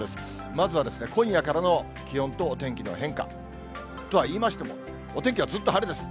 まずは今夜からの気温とお天気の変化。とは言いましても、お天気はずっと晴れです。